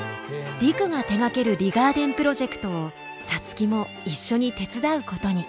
陸が手がけるリガーデンプロジェクトを皐月も一緒に手伝うことに。